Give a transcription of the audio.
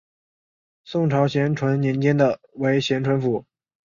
宋朝咸淳年间为咸淳府。